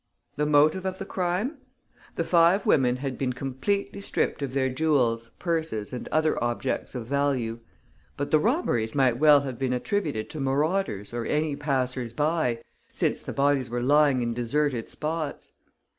The motive of the crime? The five women had been completely stripped of their jewels, purses and other objects of value. But the robberies might well have been attributed to marauders or any passersby, since the bodies were lying in deserted spots.